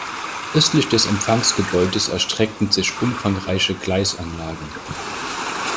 Östlich des Empfangsgebäudes erstreckten sich umfangreiche Gleisanlagen.